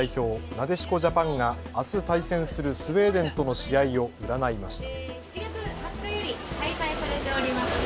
なでしこジャパンがあす対戦するスウェーデンとの試合を占いました。